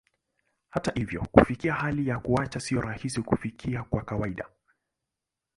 Hata hivyo, kufikia hali ya kuacha sio rahisi kufikia kwa kawaida.